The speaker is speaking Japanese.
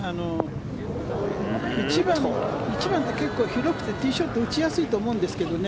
１番が結構広くてティーショット打ちやすいと思うんですけどね。